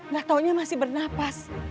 gak taunya masih bernapas